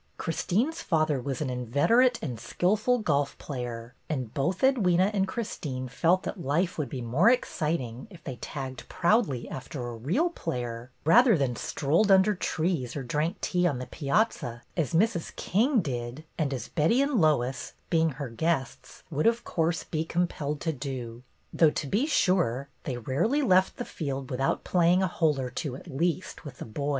Christine's father was an inveter ate and skilful golf player, and both Edwyna and Christine felt that life would be more exciting if they tagged proudly after a real player, rather than strolled under trees or drank tea on the piazza, as Mrs. King did, and as Betty and Lois, being her guests, would of course be compelled to do; though, to be sure, they rarely left the field without playing a hole or two, at least, with the boys.